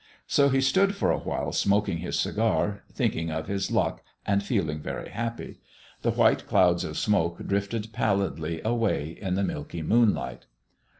So he stood for a while smoking his cigar, thinking of his luck and feeling very happy. The white clouds of smoke drifted pallidly away in the milky moonlight.